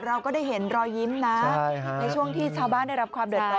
เราก็ได้เห็นรอยยิ้มนะในช่วงที่ชาวบ้านได้รับความเดือดร้อ